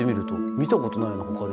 見たことないなほかで。